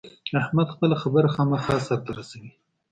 احمد خپله خبره خامخا سر ته رسوي.